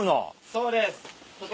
そうです。